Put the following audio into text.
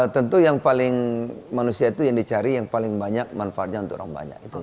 tentu yang paling manusia itu yang dicari yang paling banyak manfaatnya untuk orang banyak